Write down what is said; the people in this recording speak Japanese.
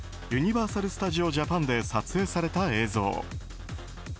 ユニバーサル・スタジオ・ジャパンで撮影された映像。